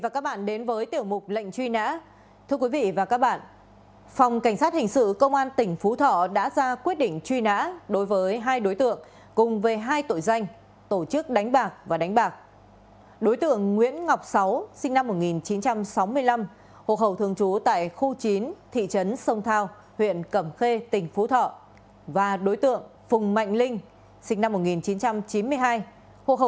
chào mừng quý vị đến với tiểu mục lệnh truy nã